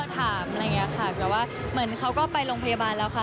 แต่ว่าเหมือนเขาก็ไปโรงพยาบาลแล้วค่ะ